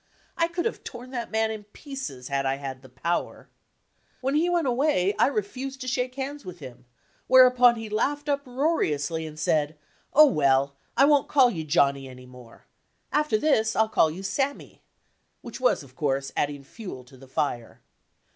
I could have torn that man in pieces had I had the power! When he went away 1 refused to shake hands with him, whereupon he laughed uproariously and said,"Oh, welt, I won't call you 'Johnny' any more. After this I'll call you 'Sammy,' " which was, of course, adding fuel to the fire.